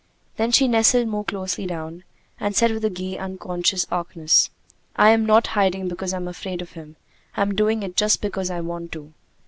Then she nestled more closely down, and said with gay, unconscious archness: "I'm not hiding because I'm afraid of him. I'm doing it just because I want to."